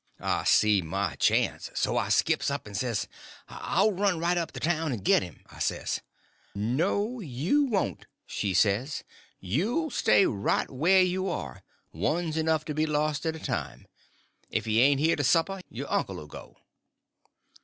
I see my chance; so I skips up and says: "I'll run right up to town and get him," I says. "No you won't," she says. "You'll stay right wher' you are; one's enough to be lost at a time. If he ain't here to supper, your uncle 'll go."